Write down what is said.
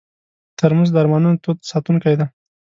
ترموز د ارمانونو تود ساتونکی دی.